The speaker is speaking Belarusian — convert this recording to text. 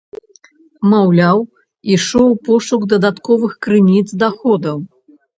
Маўляў, ішоў пошук дадатковых крыніц даходаў.